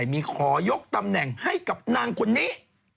มีขอยกตำแหน่งให้กับนางคนนี้